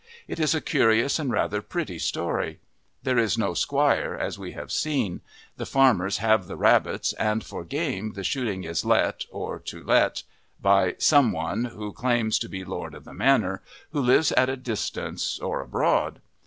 It is a curious and rather pretty story. There is no squire, as we have seen; the farmers have the rabbits, and for game the shooting is let, or to let, by some one who claims to be lord of the manor, who lives at a distance or abroad.